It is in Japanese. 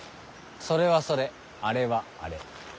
それはそれあれはあれ。